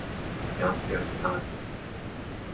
鴨腳扎